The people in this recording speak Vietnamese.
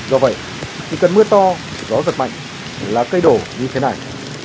do vậy khi cơn mưa to gió giật mạnh là cây đổ như thế này